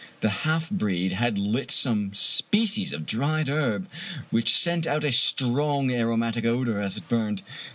The half breed had lit some species of dried herb, which sent out a strong aromatic odor as it burned.